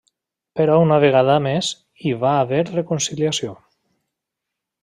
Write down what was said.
Però una vegada més hi va haver reconciliació.